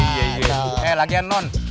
hei lagi ya non